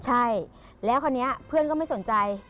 ใช่แล้วพอเนี่ยเพื่อนก็ไม่สนใจ